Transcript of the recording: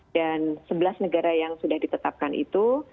dan sebelas negara yang sudah ditetapkan itu